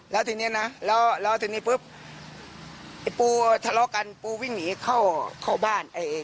แล้วทีนี้นะแล้วทีนี้ปุ๊บไอ้ปูทะเลาะกันปูวิ่งหนีเข้าบ้าน